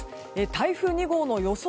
台風２号の予想